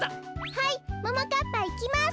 はいももかっぱいきます。